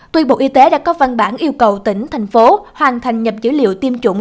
tuy bộ y tế đã có văn bản yêu cầu tỉnh thành phố hoàn thành nhập dữ liệu tiêm chủng